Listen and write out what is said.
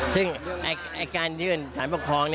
ซึ่งการยื่นสารปกครอง